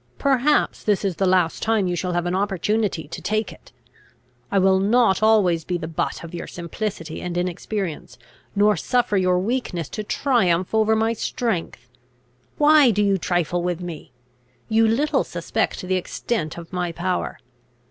Perhaps this is the last time you shall have an opportunity to take it! I will not always be the butt of your simplicity and inexperience, nor suffer your weakness to triumph over my strength! Why do you trifle with me? You little suspect the extent of my power.